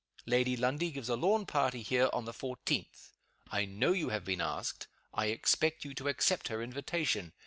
Lady Lundie gives a lawn party here on the 14th. I know you have been asked. I expect you to accept her invitation.